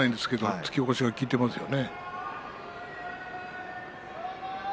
突き起こし効いてますね。